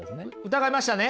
疑いましたね？